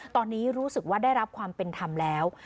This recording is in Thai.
ตอนนี้รู้สึกว่าได้รับความเป็นธรรมแล้ว